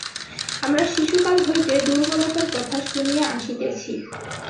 আমরা শিশুকাল হইতে দুর্বলতার কথা শুনিয়া আসিতেছি।